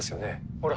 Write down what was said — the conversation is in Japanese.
ほら。